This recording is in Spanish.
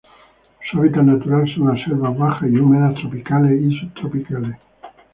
Su hábitat natural son las selvas bajas y húmedas tropicales y subtropicales.